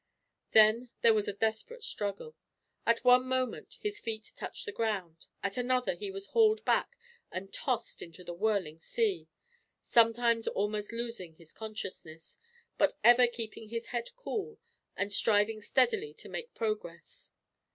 Then there was a desperate struggle. At one moment his feet touched the ground, at another he was hauled back and tossed into the whirling sea; sometimes almost losing his consciousness, but ever keeping his head cool, and striving steadily to make progress.